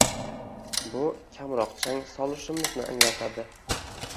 Bu kamroq chang solishimizni anglatadi.